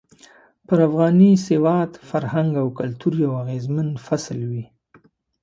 پر افغاني سواد، فرهنګ او کلتور يو اغېزمن فصل وي.